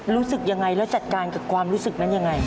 รู้สึกอย่างไรและจัดการกับความรู้สึกนั้นอย่างไร